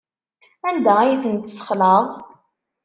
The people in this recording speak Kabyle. Anda ay ten-tesxelɛeḍ?